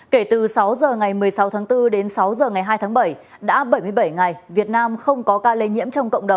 kể từ sáu giờ ngày một mươi sáu tháng bốn đến sáu giờ ngày hai tháng bảy đã bảy mươi bảy ngày việt nam không có ca lây nhiễm